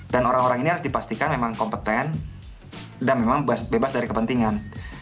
dan orang orang ini harus dipastikan memang kompeten dan memang bebas dari kepentingan